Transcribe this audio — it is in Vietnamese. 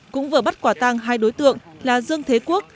cũng vừa bắt quả tăng hai đối tượng là dương thế quốc